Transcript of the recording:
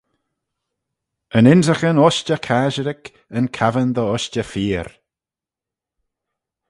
Yn ynrican ushtey casherick yn cappan dy ushtey feayr.